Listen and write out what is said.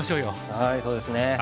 はいそうですね。